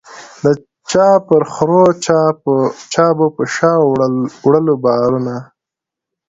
چا پر خرو چا به په شا وړله بارونه